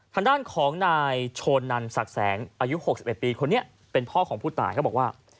ทางด้านของนายโชนนันศักดิ์แสงอายุ๖๑ปีคนนี้เป็นพ่อของผู้ตายเขาบอกว่า